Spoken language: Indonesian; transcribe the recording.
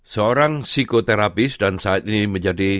seorang psikoterapis dan saat ini menjadi